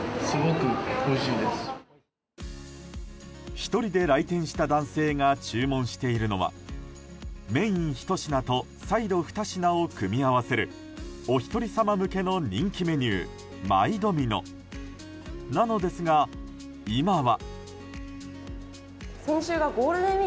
１人で来店した男性が注文しているのはメイン１品とサイド２品を組み合わせるお一人様向けの人気メニューマイドミノなのですが今は。